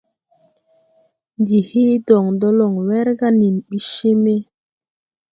Ndi he dɔŋdɔlɔŋ wɛrga nen ɓi cee me.